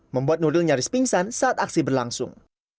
membuat nuril nyaris pingsan saat aksi berlangsung